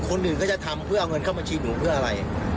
คนอื่นก็จะทำเพื่อเอาเงินเข้าบัญชีหนูเพื่ออะไร